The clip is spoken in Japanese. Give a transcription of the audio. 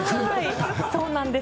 そうなんです。